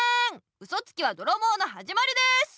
ウソつきはどろぼうのはじまりです！